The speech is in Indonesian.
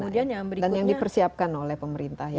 dan yang dipersiapkan oleh pemerintah